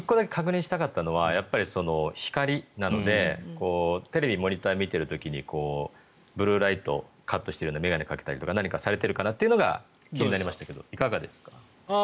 １つ確認したかったのは光なのでテレビなどを見ている時ブルーライトをカットするような眼鏡をかけたりされてるのかなというのが気になりましたがいかがですか？